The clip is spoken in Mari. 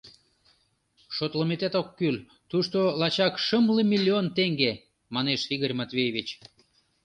— Шотлыметат ок кӱл, тушто лачак шымле миллион теҥге, — манеш Игорь Матвеевич.